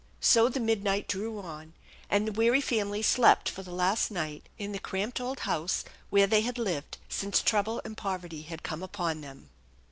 So the midnight drew on, and the weary family slept for the last night in the cramped old house where they had lived since trouble and poverty had come upon them.